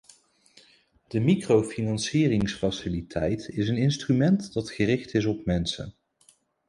De microfinancieringsfaciliteit is een instrument dat gericht is op mensen.